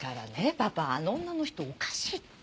パパあの女の人おかしいって。